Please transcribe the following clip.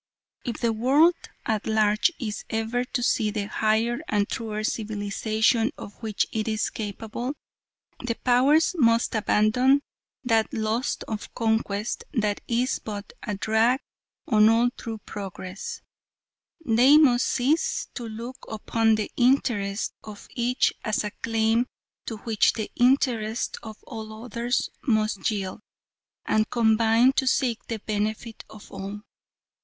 If the world at large is ever to see that higher and truer civilisation of which it is capable, the Powers must abandon that lust of conquest that is but a drag on all true progress, they must cease to look upon the interest of each as a claim to which the interests of all others must yield, and combine to seek the benefit of all.